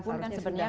harusnya sudah ya